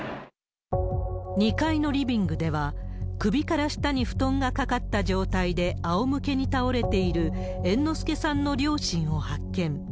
２階のリビングでは、首から下に布団がかかった状態であおむけに倒れている、猿之助さんの両親を発見。